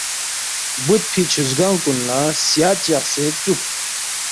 بُودفی چُھوزگنگ کُن لہ سیا چقسے ژُوکس